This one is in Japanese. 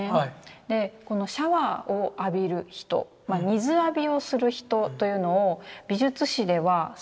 でこのシャワーを浴びる人水浴びをする人というのを美術史では水浴図。